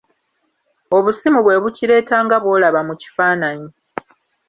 Obusimu bwe bukireeta nga bw'olaba mu kifaananyi.